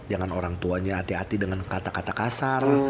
jangan orang tuanya hati hati dengan kata kata kasar